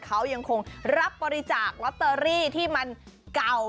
เขายังคงรับบริจาคลอตเตอรี่ที่มันเก่า